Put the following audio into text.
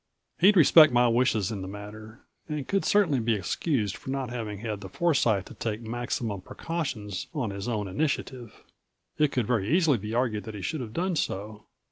He'd respect my wishes in the matter, and could certainly be excused for not having had the foresight to take maximum precautions on his own initiative. It could very easily be argued that he should have done so